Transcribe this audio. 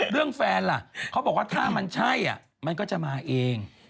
เรื่องแฟนล่ะเขาบอกว่าถ้ามันใช่มันก็จะมาเอง